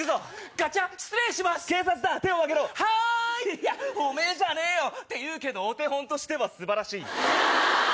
いやおめぇじゃねえよ！っていうけどお手本としては素晴らしい。